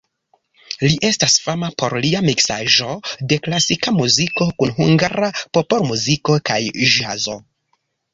Li estas fama por lia miksaĵo de klasika muziko kun hungara popolmuziko kaj ĵazo.